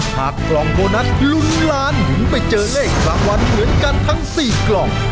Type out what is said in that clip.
หากกล้องโบนัสลุ้นล้านหรือไปเจอเลขประวัติเหมือนกันทั้ง๔กล้อง